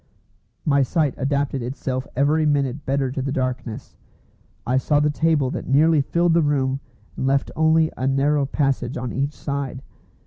My sight adapted itself every minute better to the darkness. I saw the table that nearly filled the room, and left only a narrow passage on each side.